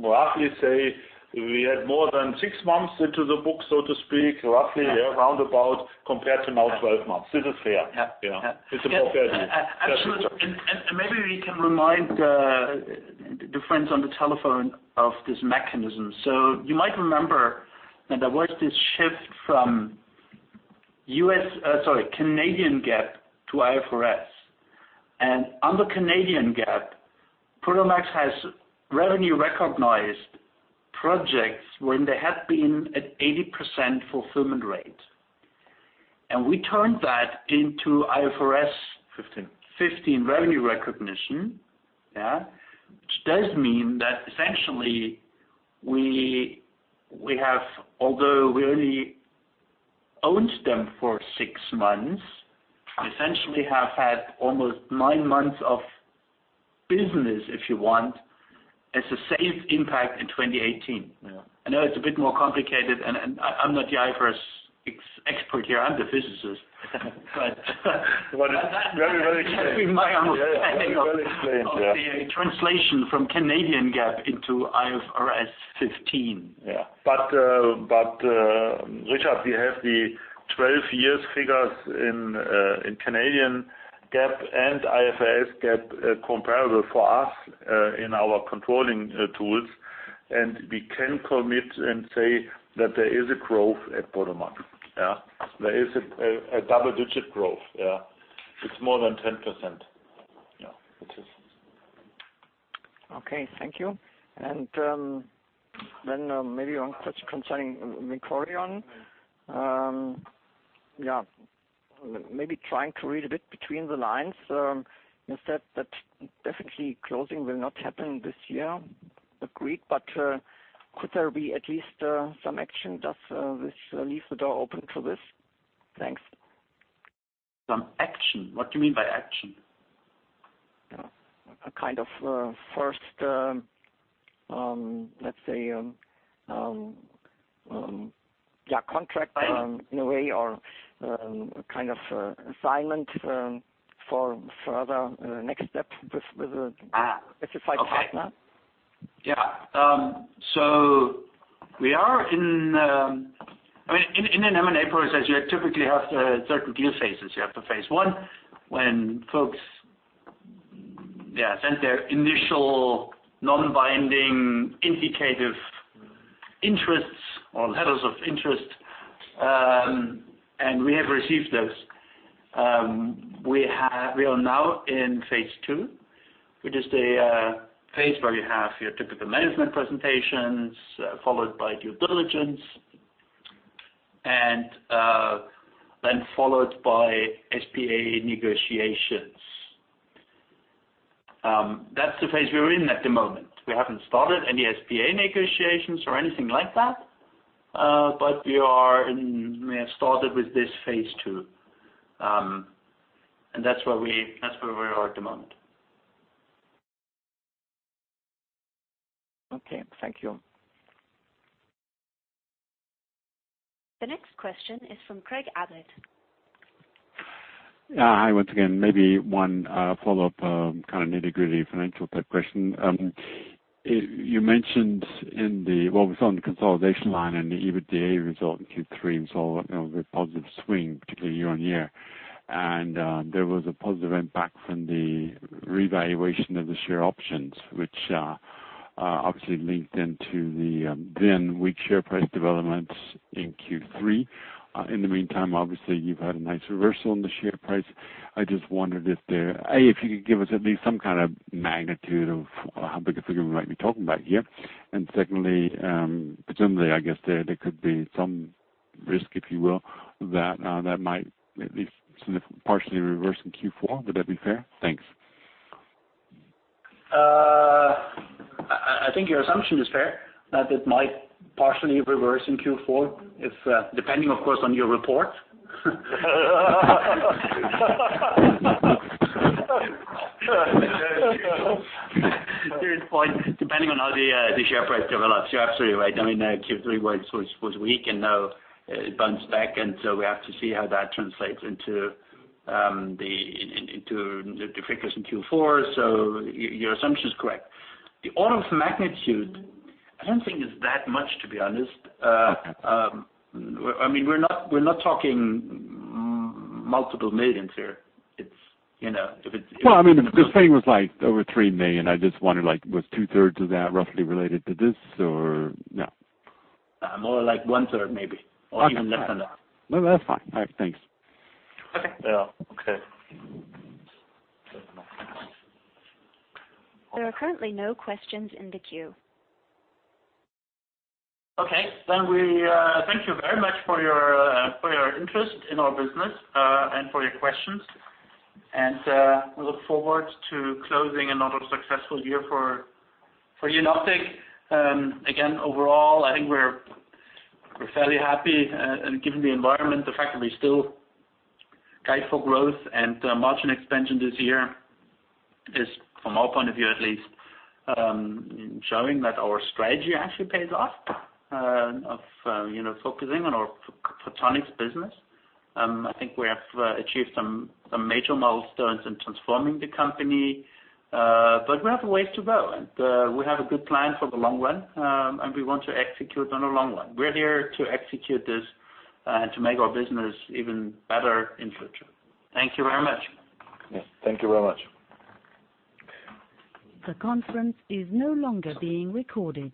roughly say we had more than six months into the book, so to speak, roughly, round about compared to now 12 months. This is fair. Yeah. It's a more fair view. Absolutely. Maybe we can remind the friends on the telephone of this mechanism. You might remember that there was this shift from Canadian GAAP to IFRS. Under Canadian GAAP, Prodomax has revenue recognized projects when they had been at 80% fulfillment rate, and we turned that into IFRS. 15 15 revenue recognition. Yeah. Does mean that essentially we have, although we only owned them for six months, essentially have had almost nine months of business, if you want, as the same impact in 2018. Yeah. I know it's a bit more complicated, and I'm not the IFRS expert here, I'm the physicist. Very well explained. Yeah. That's my understanding of the translation from Canadian GAAP into IFRS 15. Richard, we have the 12 years figures in Canadian GAAP and IFRS GAAP comparable for us in our controlling tools, and we can commit and say that there is a growth at Prodomax. Yeah. There is a double-digit growth. Yeah. It is more than 10%. Yeah. It is. Okay. Thank you. Maybe a touch concerning Vincorion. Yeah. Maybe trying to read a bit between the lines, you said that definitely closing will not happen this year. Agreed. Could there be at least some action? Does this leave the door open to this? Thanks. Some action. What do you mean by action? A kind of first, let's say, contract in a way or kind of assignment for further next steps with a specified partner. Okay. Yeah. In an M&A process, you typically have certain clear phases. You have the phase I when folks send their initial non-binding indicative interests or letters of interest, and we have received those. We are now in phase II, which is the phase where you have your typical management presentations, followed by due diligence, and then followed by SPA negotiations. That's the phase we're in at the moment. We haven't started any SPA negotiations or anything like that. We have started with this phase II. That's where we are at the moment. Okay. Thank you. The next question is from Craig Abbott. Hi once again. Maybe one follow-up kind of nitty-gritty financial type question. You mentioned, we saw on the consolidation line and the EBITDA result in Q3 and saw a positive swing, particularly year-on-year. There was a positive impact from the revaluation of the share options, which obviously linked into the then weak share price developments in Q3. In the meantime, obviously, you've had a nice reversal in the share price. I just wondered, A, if you could give us at least some kind of magnitude of how big a figure we might be talking about here. Secondly, presumably, I guess there could be some risk, if you will, that might at least partially reverse in Q4. Would that be fair? Thanks. I think your assumption is fair, that it might partially reverse in Q4. Depending, of course, on your report. Serious point, depending on how the share price develops. You're absolutely right. Q3 was weak, and now it bounced back, and so we have to see how that translates into the figures in Q4. Your assumption is correct. The order of magnitude, I don't think it's that much, to be honest. We're not talking multiple millions here. Well, this thing was over 3 million. I just wondered, was 2/3 of that roughly related to this, or no? More like 1/3, maybe. Even less than that. No, that's fine. All right, thanks. Okay. There are currently no questions in the queue. Okay, we thank you very much for your interest in our business and for your questions. We look forward to closing another successful year for Jenoptik. Again, overall, I think we're fairly happy. Given the environment, the fact that we still guide for growth and margin expansion this year is, from our point of view at least, showing that our strategy actually pays off of focusing on our photonics business. I think we have achieved some major milestones in transforming the company. We have a ways to go, and we have a good plan for the long run, and we want to execute on the long run. We're here to execute this to make our business even better in the future. Thank you very much. Yes, thank you very much. The conference is no longer being recorded.